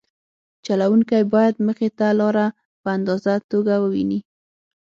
چلوونکی باید مخې ته لاره په ازاده توګه وویني